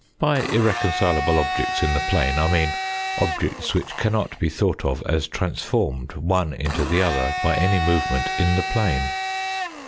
By irreconcilable objects in the plane I mean objects which cannot be thought of as transformed one into the other by any movement in the plane.